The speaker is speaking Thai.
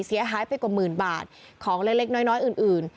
เสียหายไปกว่าหมื่นบาทของเล็กน้อยอื่นอื่น